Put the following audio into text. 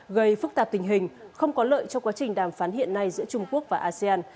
gây phức tạp tình hình không có lợi cho quá trình đàm phán hiện nay giữa trung quốc và asean